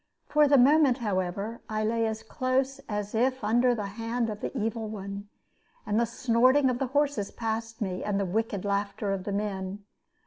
For the moment, however, I lay as close as if under the hand of the evil one; and the snorting of the horses passed me, and wicked laughter of the men.